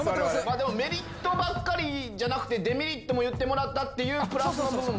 でもメリットばっかりじゃなくて、デメリットも言ってもらったっていうプラスの部分も。